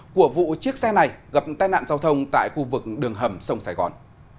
của vụ chiếc xe này gặp tai nạn giao thông tại khu vực đường hầm sông sài gòn